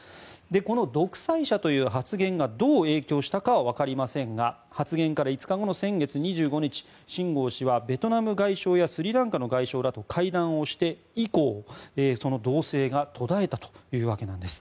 この独裁者という発言がどう影響したかは分かりませんが発言から５日後の先月２５日シン・ゴウ氏はベトナム外相やスリランカの外相らと会談をして以降動静が途絶えたわけなんです。